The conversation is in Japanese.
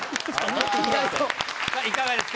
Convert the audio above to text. いかがですか？